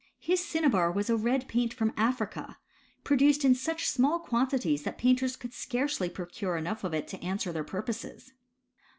His cinnabar was a red paint from Africa, produced in such small quantity that [ paiotei's could scarcely procure enough of it to answer their purposes.